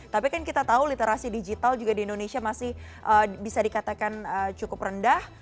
tapi kan kita tahu literasi digital juga di indonesia masih bisa dikatakan cukup rendah